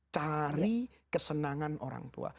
cari kesenangan orang tua